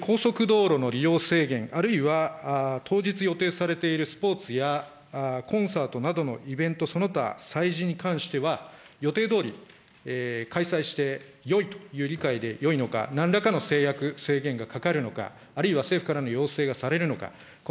その期間中、高速道路の利用制限、あるいは、当日予定されているスポーツやコンサートなどのイベントその他、催事に関しては、予定どおり開催してよいという理解でよいのか、なんらかの制約、制限がかかるのか、あるいは政府からの要請がされるのか。